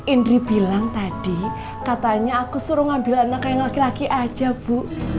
indri bilang tadi katanya aku suruh ngambil anak yang laki laki aja bu